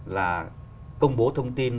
là công bố thông tin